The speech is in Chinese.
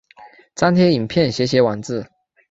张贴影片写写网志